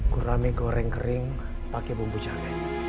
gurami goreng kering pake bumbu jangga